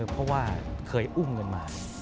เพราะว่าเคยอุ้มเงินมา